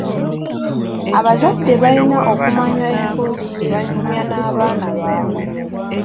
Abazadde balina okumanya emboozi ze banyumya n’abaana baabwe.